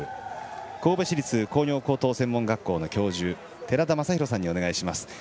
神戸市立工業高等専門学校の教授寺田雅裕さんにお願いします。